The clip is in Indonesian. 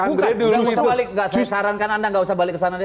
jangan sarankan anda nggak usah balik ke sana deh